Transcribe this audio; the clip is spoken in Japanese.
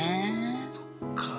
そっか。